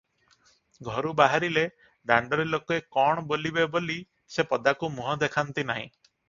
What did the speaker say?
ଘରୁ ବାହାରିଲେ ଦାଣ୍ଡରେ ଲୋକେ କଣ ବୋଲିବେ ବୋଲି ସେ ପଦାକୁ ମୁହଁ ଦେଖାନ୍ତି ନାହିଁ ।